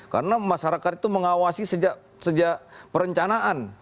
karena masyarakat itu mengawasi sejak perencanaan